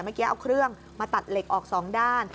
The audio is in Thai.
เมื่อกี้เอาเครื่องมาตัดเหล็กออกสองด้าน